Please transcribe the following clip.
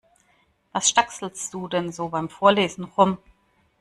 Was stackselst du denn so beim Vorlesen rum?